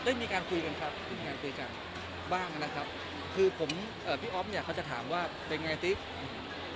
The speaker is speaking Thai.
ได้มีการคุยกันครับบ้างนะครับคือพี่อ๊อฟเนี่ยเขาจะถามว่าเป็นไงติ๊ก